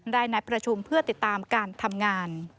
นัดประชุมเพื่อติดตามการทำงาน